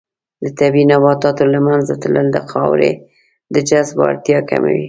د طبیعي نباتاتو له منځه تلل د خاورې د جذب وړتیا کموي.